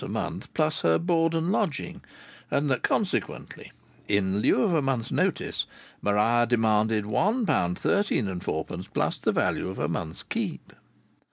a month plus her board and lodging, and that consequently, in lieu of a month's notice, Maria demanded £1, 13s. 4d. plus the value of a month's keep.